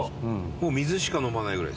もう水しか飲まないぐらい？